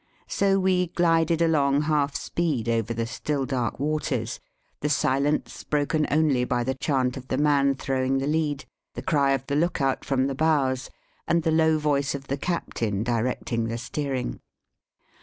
So we glided along half speed over the still dark waters, the silence broken only by the chant of the man throwing the lead, the cry of the look out from the bows, and the low voice of the captain directing the steering.